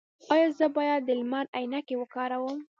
ایا زه باید د لمر عینکې وکاروم؟